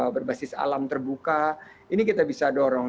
berbasis alam terbuka ini kita bisa dorong